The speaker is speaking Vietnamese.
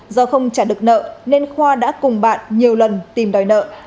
do không trả được nợ nên khoa đã cùng bạn nhiều lần tìm đòi nợ